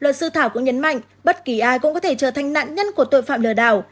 luật sư thảo cũng nhấn mạnh bất kỳ ai cũng có thể trở thành nạn nhân của tội phạm lừa đảo